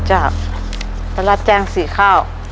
จ้ะแต่รับแจ้งสี่ข้าว